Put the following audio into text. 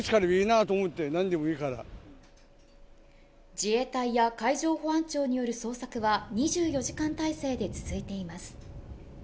自衛隊や海上保安庁による捜索は２４時間体制で続いています。